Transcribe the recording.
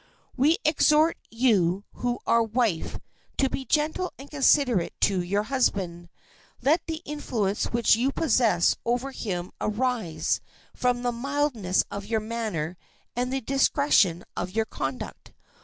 We exhort you who are wife to be gentle and considerate to your husband. Let the influence which you possess over him arise from the mildness of your manner and the discretion of your conduct.